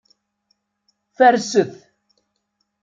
Farset.